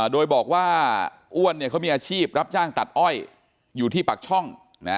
โดยบอกว่าอ้วนเขามีอาชีพรับจ้างตัดอ้อยอยู่ที่ปากช่อง